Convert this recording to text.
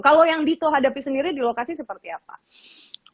kalau yang dito hadapi sendiri di lokasi seperti apa